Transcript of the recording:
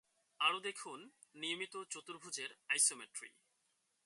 আরও দেখুন নিয়মিত চতুর্ভুজের আইসোমেট্রি।